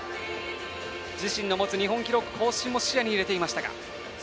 自身の持つ日本記録更新も視野に入れていましたが。